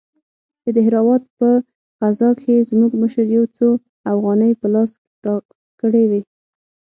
د دهراوت په غزا کښې زموږ مشر يو څو اوغانۍ په لاس راکړې وې.